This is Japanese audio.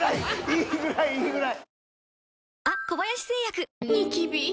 いいぐらいいいぐらい。